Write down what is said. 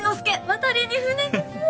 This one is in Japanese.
渡りに船です